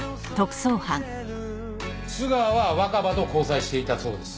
須川は若葉と交際していたそうです。